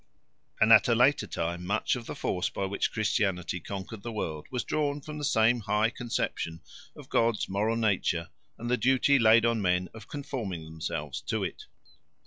And at a later time much of the force by which Christianity conquered the world was drawn from the same high conception of God's moral nature and the duty laid on men of conforming themselves to it.